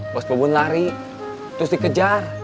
bos bubun lari terus dikejar